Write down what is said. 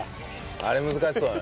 あれ難しそうだね。